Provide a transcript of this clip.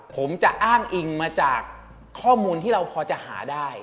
ผมจะอ้างอิงมาจากข้อมูลที่เราพอจะหาได้